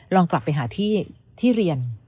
ลองกลับไปหาที่เรียน